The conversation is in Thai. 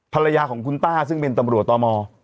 ภรรยาของคุณต้าซึ่งเป็นตำรวจตม